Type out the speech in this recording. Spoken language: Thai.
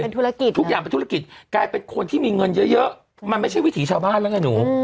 ธุรกิจทุกอย่างเป็นธุรกิจกลายเป็นคนที่มีเงินเยอะมันไม่ใช่วิถีชาวบ้านแล้วไงหนู